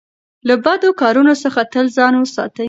له بدو کارونو څخه تل ځان وساتئ.